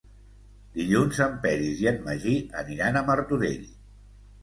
Dilluns en Peris i en Magí aniran a Martorell.